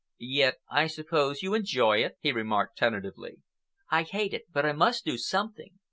"Yet I suppose you enjoy it?" he remarked tentatively. "I hate it, but I must do something.